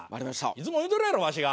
いつも言うとるやろわしが。